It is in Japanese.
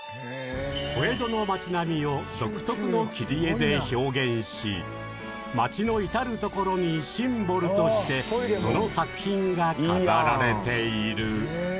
小江戸の町並みを独特の切り絵で表現し、町の至る所にシンボルとしてその作品が飾られている。